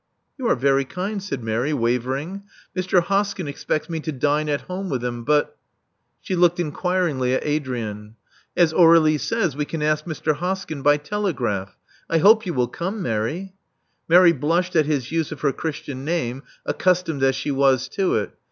"You are very kind," said Mary, wavering. Mr, Hoskyn expects me to dine at home with him; but —" vShe looked inquiringly at Adrian. "As Aurdlie says, we can ask Mr. Hoskyn by tele<(raph. I hope you will come, Mary." Mary blushed at his use of her Christian name, accustomed as she was to it.